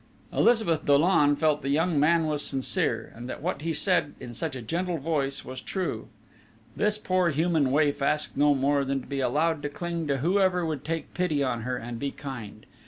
Elizabeth Dollon felt the young man was sincere, and that what he said in such a gentle voice was true. This poor human waif asked no more than to be allowed to cling to whoever would take pity on her and be kind.